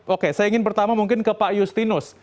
oke saya ingin pertama mungkin ke pak justinus